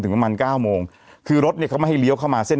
ประมาณเก้าโมงคือรถเนี้ยเขาไม่ให้เลี้ยวเข้ามาเส้น